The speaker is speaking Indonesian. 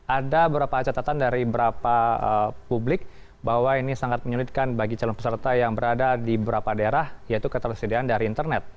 ada beberapa catatan dari beberapa publik bahwa ini sangat menyulitkan bagi calon peserta yang berada di beberapa daerah yaitu ketersediaan dari internet